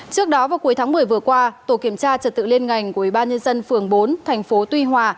trước đó vào cuối tháng một mươi vừa qua tổ kiểm tra trật tự liên ngành của ủy ban nhân dân phường bốn thành phố tuy hòa